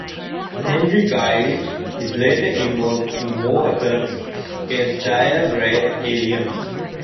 Henry Gyrich is later involved in war efforts against the Dire Wraith aliens.